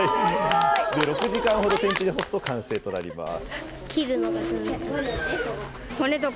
６時間ほど天日で干すと完成となります。